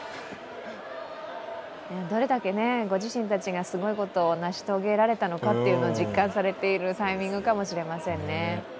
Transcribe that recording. どれだけご自身たちがすごいことを成し遂げたのか実感されているタイミングかもしれませんね。